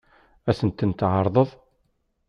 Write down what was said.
Ad sen-tent-teɛṛeḍ?